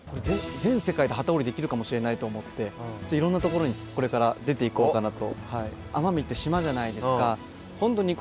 全世界で機織りできるかもしれないと思っていろんなところにこれから出ていこうかなと。